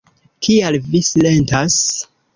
Kial vi silentas?